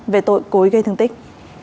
về tội cối gây thương tích